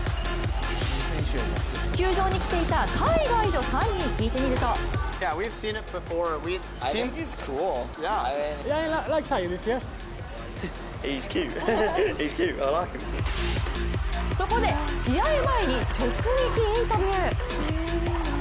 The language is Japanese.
球場に来ていた海外のファンに聞いてみるとそこで試合前に直撃インタビュー。